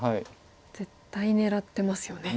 絶対狙ってますよね。